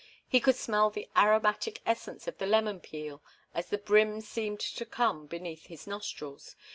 He could smell the aromatic essence of the lemon peel as the brim seemed to come beneath his nostrils.